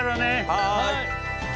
はい。